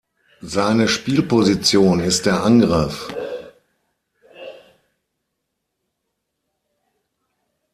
Seine Spielposition ist der Angriff.